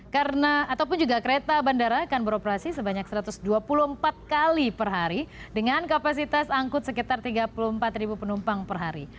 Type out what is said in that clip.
karena ataupun juga kereta bandara akan beroperasi sebanyak satu ratus dua puluh empat kali per hari dengan kapasitas angkut sekitar tiga puluh empat penumpang per hari